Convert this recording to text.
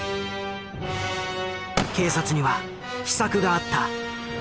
警察には秘策があった。